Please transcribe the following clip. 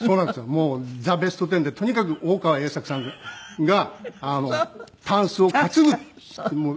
もう『ザ・ベストテン』でとにかく大川栄策さんがたんすを担ぐたんすしょっちゅう。